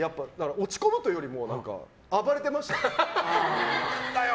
落ち込むというよりも暴れてましたね。